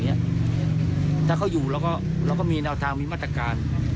ถ้าเขาอยู่เราก็มีแนวทางมีมาตรการ